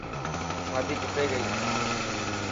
شادي ٽٽي گئي.